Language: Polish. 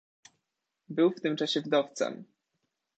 "Był w tym czasie wdowcem."